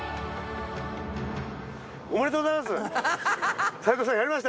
おめでとうございます。